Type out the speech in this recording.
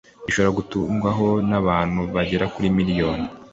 zishobora guturwaho n'abantu bagera kuri miliyoni